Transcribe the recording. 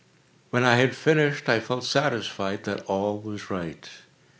When I had finished, I felt satisfied that all was right.